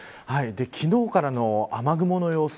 昨日からの雨雲の様子